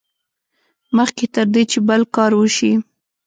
مخکې تر دې چې بل کار وشي.